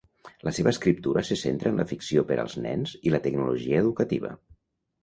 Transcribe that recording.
La seva escriptura se centra en la ficció per als nens i la tecnologia educativa.